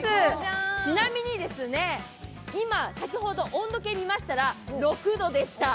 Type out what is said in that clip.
ちなみに、先ほど温度計を見ましたら６度でした。